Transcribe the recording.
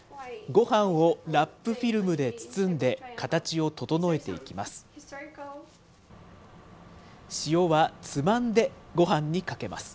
ごはんをラップフィルムで包んで、形を整えていきます。